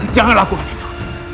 jangan lakukan itu